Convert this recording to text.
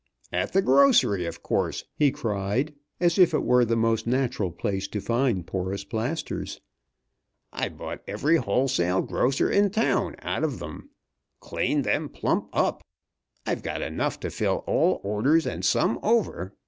"At the grocery, of course," he cried, as if it were the most natural place to find porous plasters. "I bought every wholesale grocer in town out of 'em. Cleaned them plump up. I've got enough to fill all orders, and some over.